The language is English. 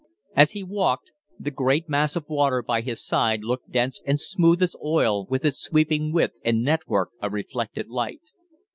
As he walked the great mass, of water by his side looked dense and smooth as oil with its sweeping width and network of reflected light.